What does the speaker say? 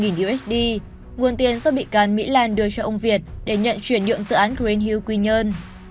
nguồn tiền do bị can mỹ lan đưa cho ông việt để nhận chuyển nhượng dự án green hilk quy nhơn